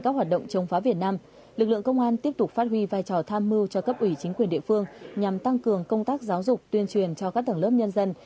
các hoạt động chống phá việt nam lực lượng công an tiếp tục phát huy vai trò tham mưu cho cấp ủy chính quyền địa phương nhằm tăng cường công tác giáo dục tuyên truyền cho các tầng lớp nhân dân